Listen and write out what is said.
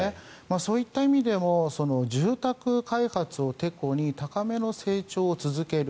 そういった意味でも住宅開発をてこに高めの成長を続ける